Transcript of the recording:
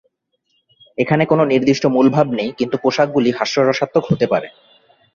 এখানে কোন নির্দিষ্ট "মূলভাব" নেই, কিন্তু পোশাকগুলি হাস্যরসাত্মক হতে পারে।